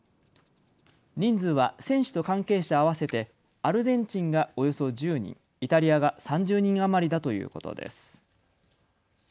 人数は選手と関係者合わせてアルゼンチンがおよそ１０人、イタリアが３０人余りだということです。